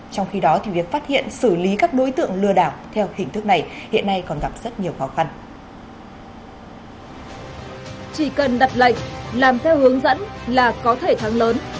trong khi đó thì việc phát hiện xử lý các đối tượng lừa đảo theo hình thức này hiện nay còn gặp rất nhiều khó khăn